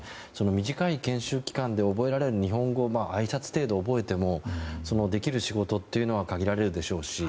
短い研修期間で覚えられる日本語あいさつ程度を覚えてもできる仕事っていうのは限られるでしょうし。